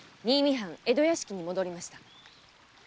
藩江戸屋敷に戻りました。